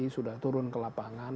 sudah turun ke lapangan